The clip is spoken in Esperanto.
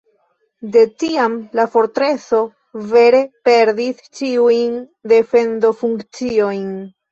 De tiam la fortreso vere perdis ĉiujn defendofunkciojn.